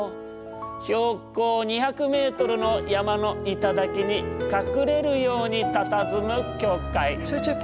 標高２００ｍの山の頂に隠れるようにたたずむ教会。